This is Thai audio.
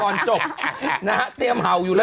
จบนะฮะเตรียมเห่าอยู่แล้ว